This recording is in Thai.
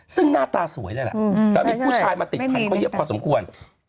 ซึ่งหน้าตาสวยเลยล่ะแล้วมีผู้ชายมาติดพันธุ์เยอะพอสมควร